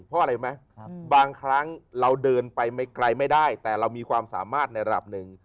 เพราะอะไรรู้ไหมบางครั้งเราเดินไปไกลไม่ได้แต่เรามีความสามารถในระดับหนึ่ง